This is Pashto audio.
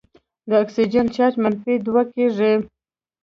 د اکسیجن چارج منفي دوه کیږي.